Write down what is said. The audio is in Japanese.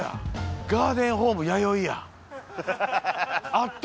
あった！